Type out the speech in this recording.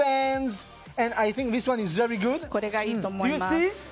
これがいいと思います。